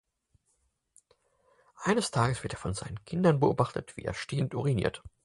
Eines Tages wird er von seinen Kindern beobachtet, wie er stehend uriniert.